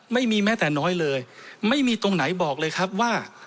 ไม่มีแม้แต่น้อยเลยไม่มีตรงไหนบอกเลยครับว่า